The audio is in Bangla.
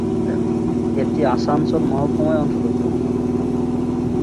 এটি আসানসোল মহকুমার অন্তর্গত।